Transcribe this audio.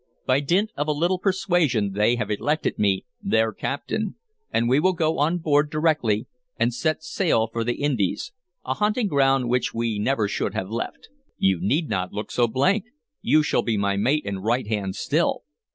By dint of a little persuasion they have elected me their captain, and we will go on board directly and set sail for the Indies, a hunting ground which we never should have left. You need not look so blank; you shall be my mate and right hand still."